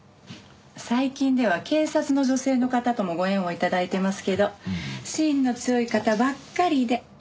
最近では警察の女性の方ともご縁を頂いてますけど芯の強い方ばっかりで。